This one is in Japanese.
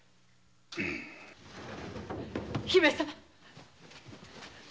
姫様！